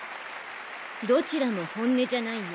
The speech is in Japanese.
どちらも本音じゃないよ。